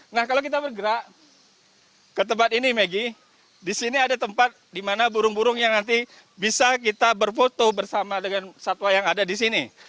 nah kalau kita bergerak ke tempat ini maggie di sini ada tempat di mana burung burung yang nanti bisa kita berfoto bersama dengan satwa yang ada di sini